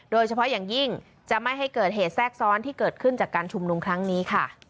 โดยเฉพาะอย่างยิ่งจะไม่ให้เกิดเหตุแทรกซ้อนที่เกิดขึ้นจากการชุมนุมครั้งนี้ค่ะ